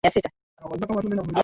kuenda barua pepe rfi kiswahili